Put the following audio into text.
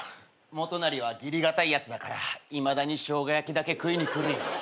モトナリは義理堅いやつだからいまだにしょうが焼きだけ食いに来るよ。